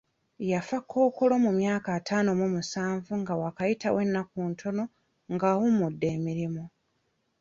Yafa kkookolo ku myaka ataano mu musanvu nga waakayitawo ennaku ntono nga awummudde emirimu.